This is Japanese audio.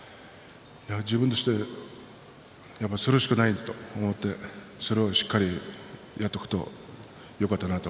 自分としてそれしかないと思ってそれをしっかりやっていくと。